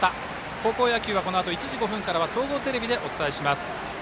高校野球はこのあと１時５分から総合テレビでお伝えします。